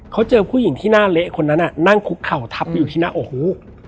เขาเจอผู้หญิงที่หน้าเละคนนั้นนั่งคุกเข่าทับอยู่ที่หน้าอกหู